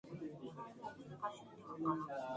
McKenzie played college football at Penn State University.